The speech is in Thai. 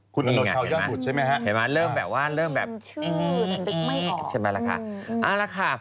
คุณอโนเชาร์ยั่งผูทใช่ไหมฮะ